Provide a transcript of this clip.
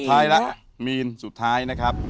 ท้ายแล้วมีนสุดท้ายนะครับ